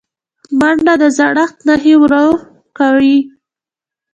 منډه د زړښت نښې ورو کوي